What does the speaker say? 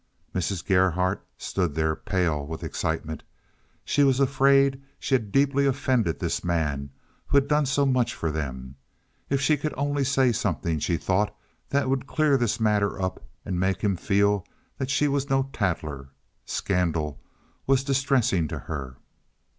Mrs. Gerhardt stood there, pale with excitement. She was afraid she had deeply offended this man who had done so much for them. If she could only say something, she thought, that would clear this matter up and make him feel that she was no tattler. Scandal was distressing to her.